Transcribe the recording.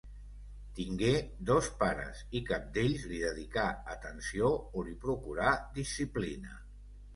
Tingué dos pares i cap d'ells li dedicà atenció o li procurà disciplina.